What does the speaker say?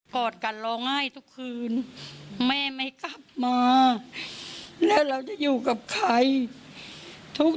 อดกันร้องไห้ทุกคืนแม่ไม่กลับมาแล้วเราจะอยู่กับใครทุก